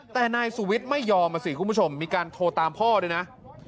แต่นายสุวิทย์ไม่ยอมอ่ะสิคุณผู้ชมมีการโทรตามพ่อด้วยนะ